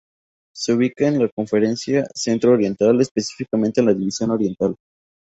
Se ubica en la Conferencia Centro Oriental específicamente en la división "Oriental".